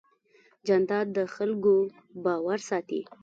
جانداد د خلکو باور ساتي.